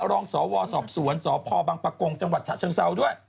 รองสวสอบสวนสพบังปะกงจังหวัดฉะเชิงเซาด้วย